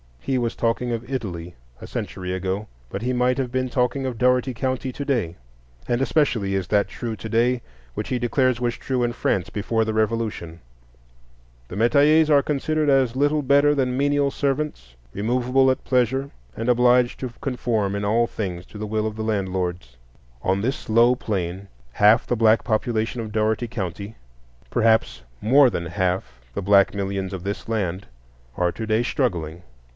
He was talking of Italy a century ago; but he might have been talking of Dougherty County to day. And especially is that true to day which he declares was true in France before the Revolution: "The metayers are considered as little better than menial servants, removable at pleasure, and obliged to conform in all things to the will of the landlords." On this low plane half the black population of Dougherty County—perhaps more than half the black millions of this land—are to day struggling.